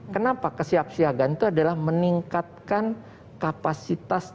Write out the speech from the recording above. kenapa kesiapsiagaan itu adalah meningkatkan kapasitas